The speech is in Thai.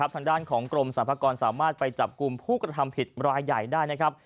ทางด้านของกรมสรรพากรสามารถไปจับกลุ่มผู้กระทำผิดรายใหญ่ได้นะครับ